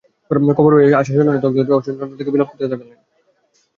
খবর পেয়ে আসা স্বজনেরা দগ্ধদের অসহনীয় যন্ত্রণা দেখে বিলাপ করতে থাকেন।